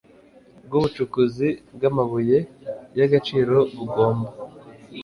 rw ubucukuzi bw amabuye y agaciro bugomba